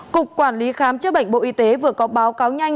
cục quản lý khám chữa bệnh bộ y tế vừa có báo cáo nhanh